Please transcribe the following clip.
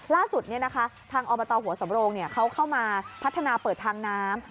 ล่าสุดเนี่ยนะคะทางออมตหัวสำโรงเนี่ยเขาเข้ามาพัฒนาเปิดทางน้ำ